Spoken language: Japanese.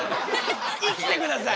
生きてください！